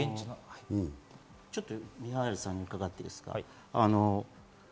ちょっとミハイルさんに伺っていいですか？